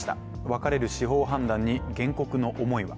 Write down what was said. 別れる司法判断に原告の思いは。